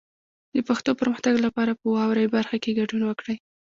د پښتو پرمختګ لپاره په واورئ برخه کې ګډون وکړئ.